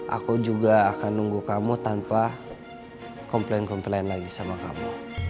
aku juga akan nunggu kamu tanpa komplain komplain lagi sama kamu